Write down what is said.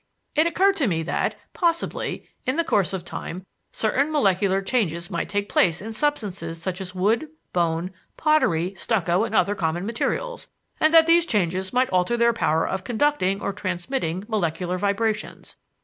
It occurred to me that, possibly, in the course of time, certain molecular changes might take place in substances such as wood, bone, pottery, stucco, and other common materials, and that these changes might alter their power of conducting or transmitting molecular vibrations.